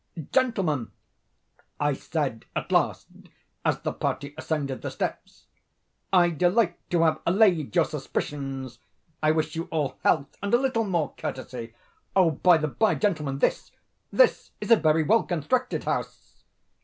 "Gentlemen," I said at last, as the party ascended the steps, "I delight to have allayed your suspicions. I wish you all health, and a little more courtesy. By the bye, gentlemen, this—this is a very well constructed house."